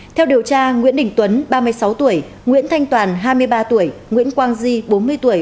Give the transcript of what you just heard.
theo điều tra nguyễn đình tuấn ba mươi sáu tuổi nguyễn thanh toàn hai mươi ba tuổi nguyễn quang di bốn mươi tuổi